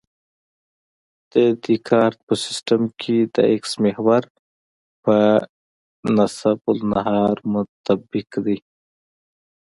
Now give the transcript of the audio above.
د دیکارت په سیستم کې د اکس محور په نصف النهار منطبق دی